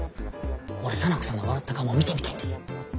俺沙名子さんの笑った顔も見てみたいんです。